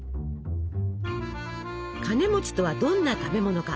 カネとはどんな食べ物か。